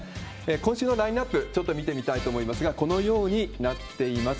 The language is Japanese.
今週のラインナップ、ちょっと見てみたいと思いますが、このようになっています。